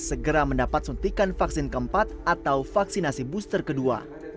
segera mendapat suntikan vaksin keempat atau vaksinasi booster kedua